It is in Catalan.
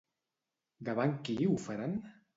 Davant qui ho faran?